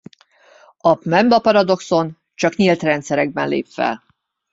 A Mpemba-paradoxon csak nyílt rendszerekben lép fel.